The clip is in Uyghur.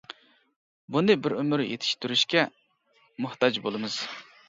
بۇنى بىر ئۆمۈر يېتىشتۈرۈشكە موھتاج بولىمىز.